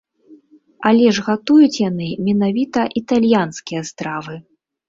Але ж гатуюць яны менавіта італьянскія стравы.